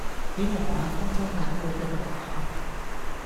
俾挪亞方舟壓過嘅河馬